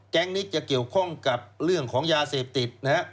แก๊งนี้จะเกี่ยวข้องกับเรื่องของยาเสพติด